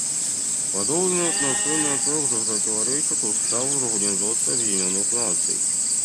Подобное отношение также противоречит Уставу Организации Объединенных Наций.